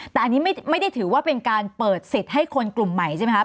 แต่อันนี้ไม่ได้ถือว่าเป็นการเปิดสิทธิ์ให้คนกลุ่มใหม่ใช่ไหมครับ